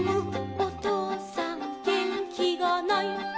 おとうさんげんきがない」